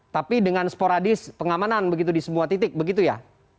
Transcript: tapi dengan sporadis pengamanan begitu di semua titik begitu ya